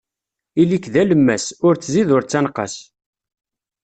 Ili-k d alemmas, ur ttzid, ur ttenqas.